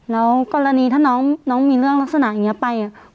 แล้วกรณีถ้าน้องน้องมีเรื่องลักษณะอย่างเงี้ยไปอ่ะ